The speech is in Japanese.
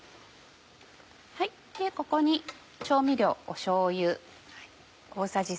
ここに調味料しょうゆ。